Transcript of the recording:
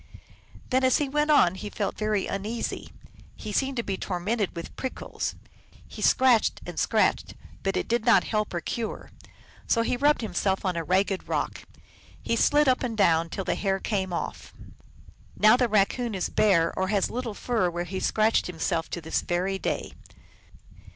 Then as he went on he felt very uneasy : he seemed to be tormented with prickles, he scratched and scratched, but it did not help or cure. So he rubbed himself on a ragged rock ; he slid up and down it till the hair came off. Now the Raccoon is bare or has little fur where he scratched himself, to this very day.